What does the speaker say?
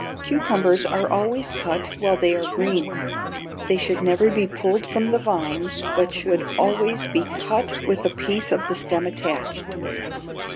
Cucumbers are always cut while they are green. They should never be pulled from the vine, but should always be cut with a piece of the stem attached.